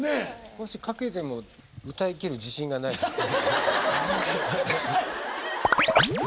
もし書けても歌いきる自信がないですよね。